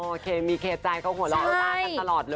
โอเคมีเคใจเขาหัวเราะโลต้ากันตลอดเลย